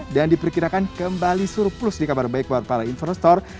dan diperkirakan kembali surplus di kabar baik buat para investor